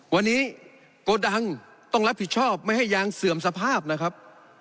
วันนี้โกดังต้องรับผิดชอบไม่ให้ยางเสื่อมสภาพนะครับ